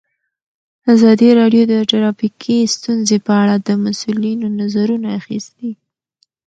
ازادي راډیو د ټرافیکي ستونزې په اړه د مسؤلینو نظرونه اخیستي.